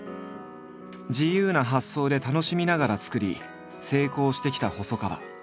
自由な発想で楽しみながら作り成功してきた細川。